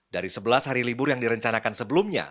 dari sebelas hari libur yang direncanakan sebelumnya